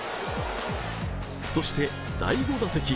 そして、第５打席。